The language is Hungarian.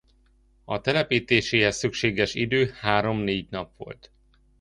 A telepítéséhez szükséges idő három-négy nap volt.